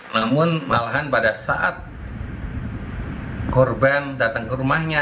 namun malahan pada saat korban datang ke rumahnya